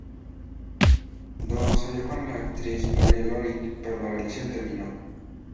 Don salió con la actriz Gloria Loring, pero la relación terminó.